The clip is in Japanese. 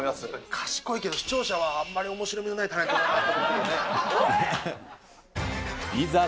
賢いけど、視聴者はあんまりおもしろみのないタレントだなって。